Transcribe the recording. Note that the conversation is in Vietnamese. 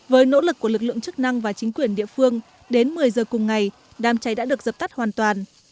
với nỗ lực của lực lượng chức năng và chính quyền địa phương đến một mươi giờ cùng ngày đám cháy đã được dập tắt hoàn toàn